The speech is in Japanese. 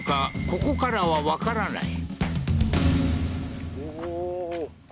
ここからはわからない